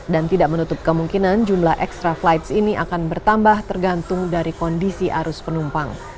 dan tidak menutup kemungkinan jumlah extra flight ini akan bertambah tergantung dari kondisi arus penumpang